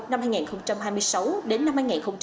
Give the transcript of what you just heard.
năm hai nghìn hai mươi sáu đến năm hai nghìn hai mươi